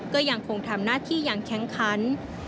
ก็ยังคงทำหน้าที่อย่างแข็งขัน